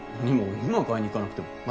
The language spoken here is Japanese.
何も今買いに行かなくても。